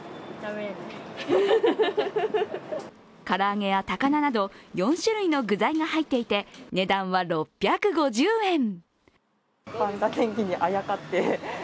唐揚げや高菜など４種類の具材が入っていて値段は６５０円。